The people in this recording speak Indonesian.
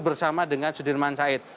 bersama dengan sudirman said